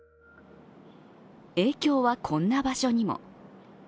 影響はこんな場所にも。